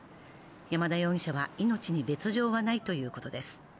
山田容疑者は命に別状はないということです。